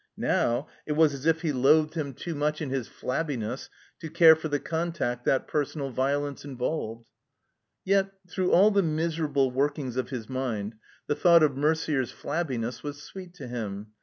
Now it was as if he loathed 353 \ THE COMBINED MAZE him too much ''in his fktbbiness to care for the contact that personal ^^olence involved. Yet, through all the miserable workings of his mind the thought of Merder's flabbiness was sweet to him.